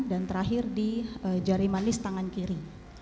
dan terakhir di jari manis tangan kiri